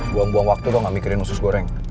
buang buang waktu gue gak mikirin usus goreng